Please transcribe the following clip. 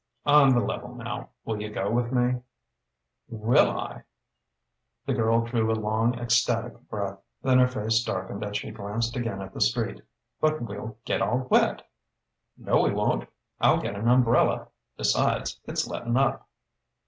On the level, now: will you go with me?" "Will I!" The girl drew a long, ecstatic breath. Then her face darkened as she glanced again at the street: "But we'll get all wet!" "No, we won't: I'll get an umbrella. Besides, it's lettin' up."